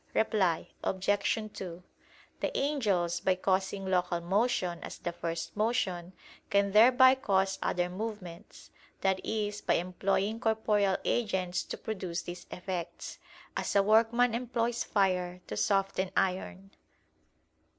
Reply Obj. 2: The angels, by causing local motion, as the first motion, can thereby cause other movements; that is, by employing corporeal agents to produce these effects, as a workman employs fire to soften iron.